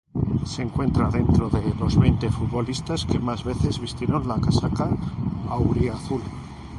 Se encuentra dentro de los veinte futbolistas que más veces vistieron la casaca auriazul.